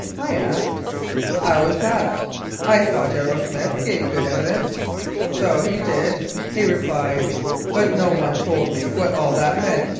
I asked, "How was that? I thought Arrowsmith gave good evidence." "So he did," he replied, "but no one told me what all that meant.